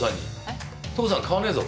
父さん買わねえぞ。